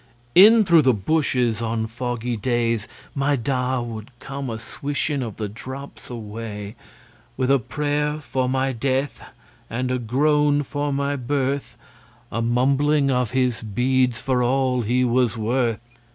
In through the bushes, on foggy days, My Da would come a swishing of the drops away, With a prayer for my death and a groan for my birth, A mumbling of his beads for all he was worth.